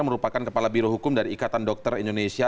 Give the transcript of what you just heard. merupakan kepala birohukum dari ikatan dokter indonesia